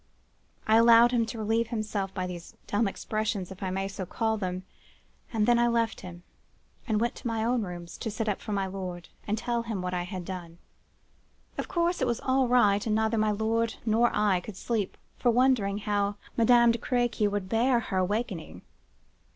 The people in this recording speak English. I allowed him to relieve himself by these dumb expressions, if I may so call them,—and then I left him, and went to my own rooms to sit up for my lord, and tell him what I had done. "Of course, it was all right; and neither my lord nor I could sleep for wondering how Madame de Crequy would bear her awakening.